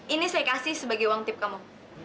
ini saya kasih sebagai uang tip kamu